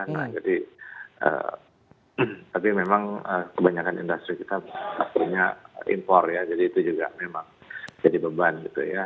nah jadi tapi memang kebanyakan industri kita punya impor ya jadi itu juga memang jadi beban gitu ya